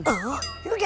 kamu dari mana aja